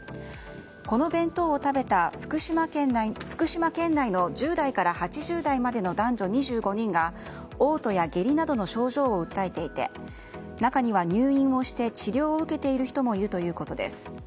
この弁当を食べた福島県内の１０代から８０代までの男女２５人が嘔吐や下痢などの症状を訴えていて中には入院をして治療を受けている人もいるということです。